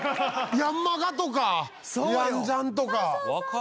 『ヤンマガ』とか『ヤンジャン』とか。